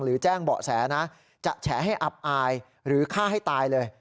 แจ้งเบาะแสนะจะแฉให้อับอายหรือฆ่าให้ตายเลย